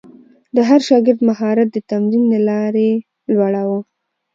د هر شاګرد مهارت د تمرین له لارې لوړاوه.